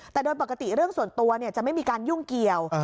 แต่โดยปกติเรื่องส่วนตัวจะไม่มีการยุ่งเกี่ยว